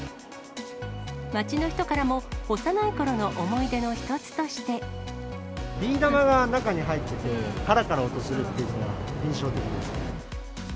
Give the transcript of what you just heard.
街の人からも、幼いころの思い出の一つとして。ビー玉が中に入ってて、からから音するっていうのが印象的ですね。